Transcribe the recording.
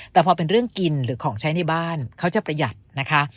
แต่พอเป็นเรื่องกินหรือของใช้ในบ้านเขาจะประหยัดนะคะ